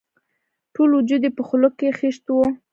ټول وجود یې په خولو کې خیشت وو.